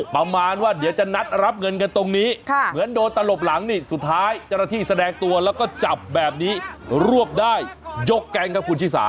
ประมาณว่าเดี๋ยวจะนัดรับเงินกันตรงนี้เหมือนโดนตลบหลังนี่สุดท้ายเจ้าหน้าที่แสดงตัวแล้วก็จับแบบนี้รวบได้ยกแก๊งครับคุณชิสา